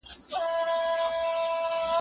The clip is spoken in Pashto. سوې ساه د غم غرونو ته خيژم، باده خیر دی